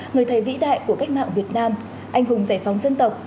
người thầy vĩ đại của cách mạng việt nam anh hùng giải phóng dân tộc